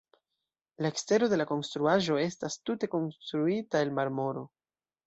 La ekstero de la konstruaĵo estas tute konstruita el marmoro.